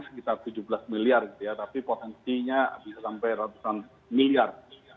sekitar tujuh belas miliar gitu ya tapi potensinya bisa sampai ratusan miliar